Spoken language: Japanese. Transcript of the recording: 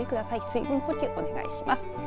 水分補給をお願いします。